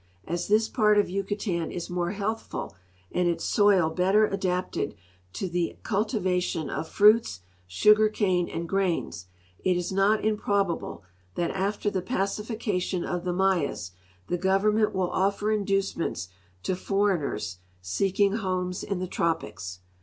As this part of Yucatan is more healthful and its soil better adapted to the cultivation of fruits, sugar cane, and grains, it is not improbable that after the pacification of the 5Iayas the government will offer inducements to foreigners seeking homes in the tropics.